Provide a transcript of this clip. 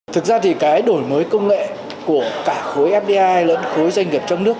thực ra thì cái đổi mới công nghệ của cả khối fdi lẫn khối doanh nghiệp trong nước